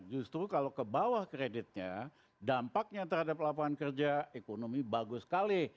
justru kalau ke bawah kreditnya dampaknya terhadap lapangan kerja ekonomi bagus sekali